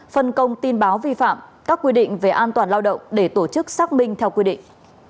phân công tin báo vi phạm các quy định về an toàn lao động để tổ chức xác minh theo quy định